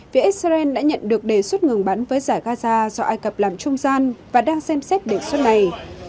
phía israel đã nhận được đề xuất ngừng bắn với giải gaza do ai cập làm trung gian và đang xem xét đề xuất này